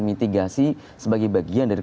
mitigasi sebagai bagian dari